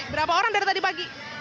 berapa orang dari tadi pagi